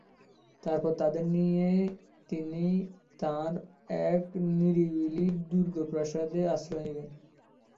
তারপর তাদের নিয়ে তিনি তাঁর এক নিরিবিলি দুর্গপ্রাসাদে আশ্রয় নিলেন।